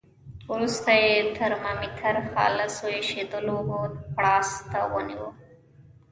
وروسته یې ترمامتر خالصو ایشېدلو اوبو بړاس ته ونیو.